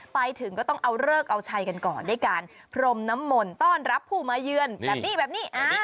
ไปถึงก็ต้องเอาเลิกเอาชัยกันก่อนด้วยการพรมน้ำมนต์ต้อนรับผู้มาเยือนแบบนี้แบบนี้